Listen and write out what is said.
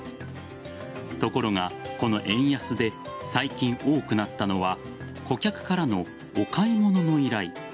ところがこの円安で最近多くなったのは顧客からのお買い物の依頼。